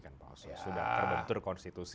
sudah terbentur konstitusi